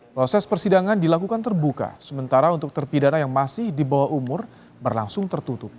proses persidangan dilakukan terbuka sementara untuk terpidana yang masih di bawah umur berlangsung tertutup